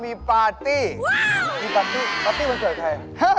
มีปาร์ตี้ปาร์ตี้วันเกิดใคร